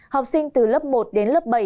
học sinh từ lớp một đến lớp bảy